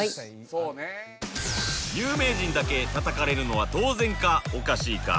有名人だけ叩かれるのは当然かおかしいか